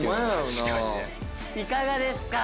いかがですか？